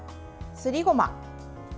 すりごま。